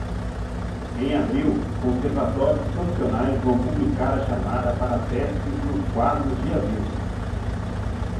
Em abril, conservatórios profissionais vão publicar a chamada para testes nos quadros de avisos.